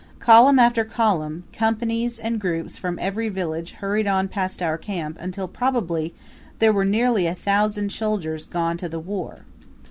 Column after column, companies, and groups from every village hurried on past our camp until, probably, there were nearly a thousand soldiers gone to the war.